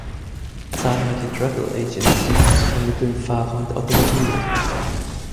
Zahlreiche Travel Agencies vermitteln Fahrer und Automobile.